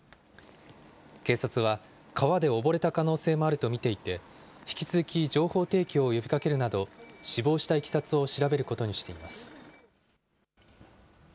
警察は川で溺れた可能性もあると見ていて、引き続き情報提供を呼びかけるなど、死亡したいきさつを調べることにしています。